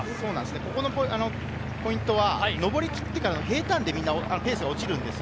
ここのポイントは上り切ってからの平たんで、みんなペースが落ちるんですよ。